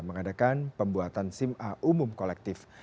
mengadakan pembuatan sim a umum kolektif